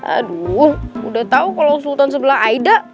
aduh udah tau kalau sultan sebelah aida